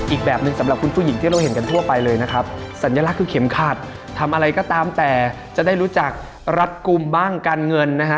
อีกแบบหนึ่งสำหรับคุณผู้หญิงที่เราเห็นกันทั่วไปเลยนะครับสัญลักษณ์คือเข็มขัดทำอะไรก็ตามแต่จะได้รู้จักรัดกลุ่มบ้างการเงินนะฮะ